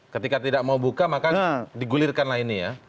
ketika tidak mau buka maka digulirkanlah ini ya